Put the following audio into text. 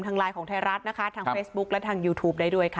ไลน์ของไทยรัฐนะคะทางเฟซบุ๊คและทางยูทูปได้ด้วยค่ะ